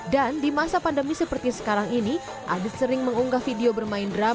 dan di masa pandemi seperti sekarang ini adit sering mengunggah video bermain drum